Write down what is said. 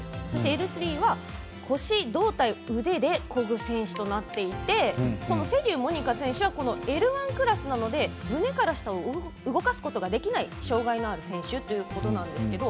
Ｌ３は、腰、胴体、腕でこぐ選手となっていてその瀬立モニカ選手はＬ１クラスなので胸から下を動かすことができない障がいのある選手ということなんですけど。